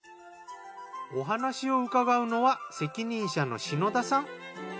お話を伺うのは責任者の篠田さん。